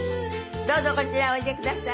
どうぞこちらへおいでください。